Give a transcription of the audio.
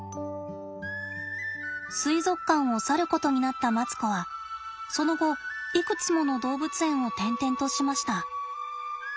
水族館を去ることになったマツコはその後いくつもの動物園を転々としました。